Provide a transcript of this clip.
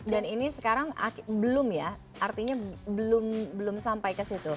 dan ini sekarang belum ya artinya belum sampai ke situ